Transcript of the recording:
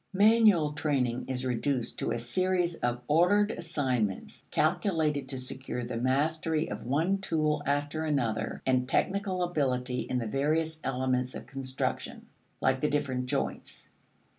Manual training is reduced to a series of ordered assignments calculated to secure the mastery of one tool after another and technical ability in the various elements of construction like the different joints.